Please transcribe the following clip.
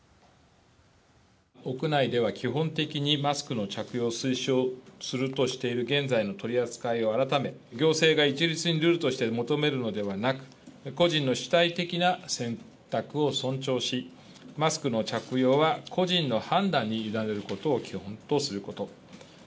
屋内では基本的にマスクの着用を推奨するとしている現在の取り扱いを改め、行政が一律にルールとして求めるのではなく、個人の主体的な選択を尊重し、マスクの着用は個人の判断に委ねることを基本とすること。